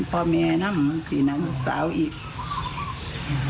พ่อแม่นำสีน้ำลูกสาวอีก